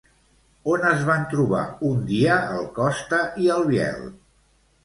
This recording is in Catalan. On es van trobar un dia el Costa i el Biel?